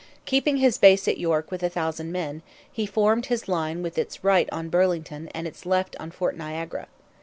Keeping his base at York with a thousand men, he formed his line with its right on Burlington and its left on Fort Niagara.